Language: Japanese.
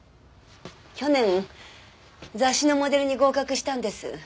去年雑誌のモデルに合格したんです。